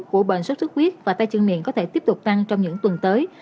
của bệnh xuất xuất huyết và tay chân miệng có thể tiếp tục tăng trong những tuần tới